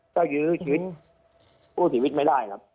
ก็ยื้อชื้นพูดสิวิทย์ไม่ได้ครับ